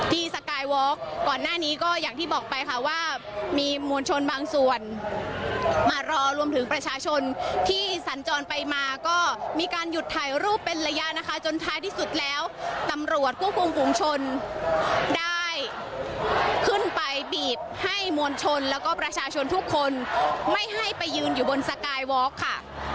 สกายวอล์กก่อนหน้านี้ก็อย่างที่บอกไปค่ะว่ามีมวลชนบางส่วนมารอรวมถึงประชาชนที่สัญจรไปมาก็มีการหยุดถ่ายรูปเป็นระยะนะคะจนท้ายที่สุดแล้วตำรวจควบคุมฝุงชนได้ขึ้นไปบีบให้มวลชนแล้วก็ประชาชนทุกคนไม่ให้ไปยืนอยู่บนสกายวอล์กค่ะ